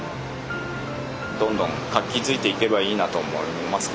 どんどん活気づいていけばいいなと思いますけどね。